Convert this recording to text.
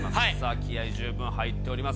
気合い十分入っております。